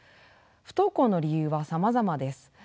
不登校の理由はさまざまです。